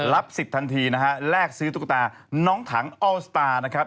สิทธิ์ทันทีนะฮะแลกซื้อตุ๊กตาน้องถังออลสตาร์นะครับ